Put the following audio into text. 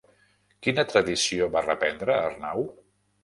Quina tradició va reprendre Arnau?